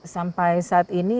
sampai saat ini